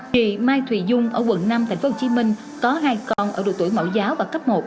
chị mai thùy dung ở quận năm tp hcm có hai con ở độ tuổi mẫu giáo và cấp một